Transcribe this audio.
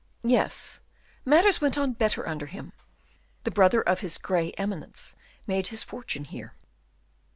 "Yes; matters went on better under him. The brother of his 'gray eminence' made his fortune here."